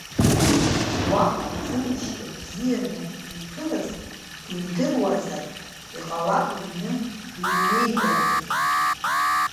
Уаҟа зымшьҭа бзианы иԥылаз дидыруазар, иҟалап, иҩны дыҩнеидаргьы.